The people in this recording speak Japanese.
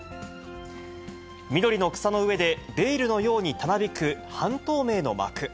緑の草の上でベールのようにたなびく半透明の幕。